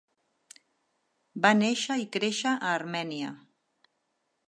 Va néixer i créixer a Armènia.